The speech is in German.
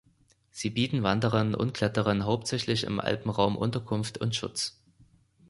Sie bieten Wanderern und Kletterern hauptsächlich im Alpenraum Unterkunft und Schutz.